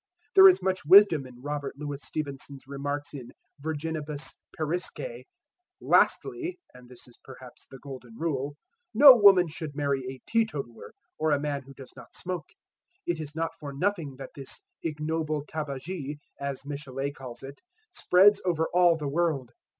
There is much wisdom in Robert Louis Stevenson's remarks in "Virginibus Puerisque" "Lastly (and this is, perhaps, the golden rule), no woman should marry a teetotaller, or a man who does not smoke. It is not for nothing that this 'ignoble tabagie,' as Michelet calls it, spreads over all the world.